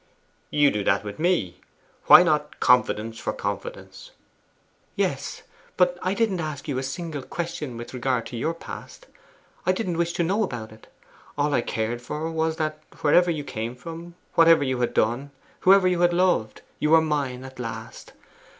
'You do that with me. Why not confidence for confidence?' 'Yes; but I didn't ask you a single question with regard to your past: I didn't wish to know about it. All I cared for was that, wherever you came from, whatever you had done, whoever you had loved, you were mine at last.